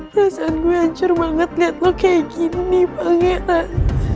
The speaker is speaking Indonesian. perasaan gue hancur banget lihat lu kayak gini pangeran